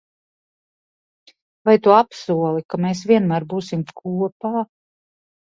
Vai tu apsoli, ka mēs vienmēr būsim kopā?